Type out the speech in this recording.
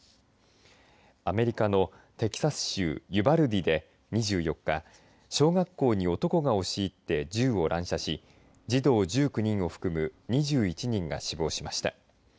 アメリカのテキサス州ユバルディで２４日小学校に男が押し入って銃を乱射し児童１９人を含む２１人が死亡しました。